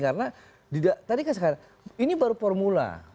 karena tadi kan sekarang ini baru formula